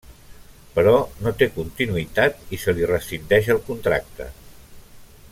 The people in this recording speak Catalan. Però, no té continuïtat i se li rescindeix el contracte.